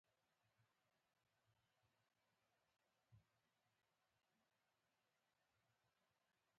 د نورو کارونو لپاره هم د بنسټ په توګه ګڼل کیږي.